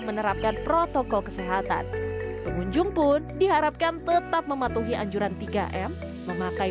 menerapkan protokol kesehatan pengunjung pun diharapkan tetap mematuhi anjuran tiga m memakai